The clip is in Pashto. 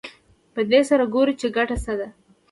په دې سره ګورو چې ګټه څه ده